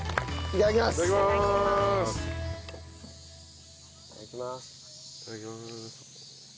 いただきます。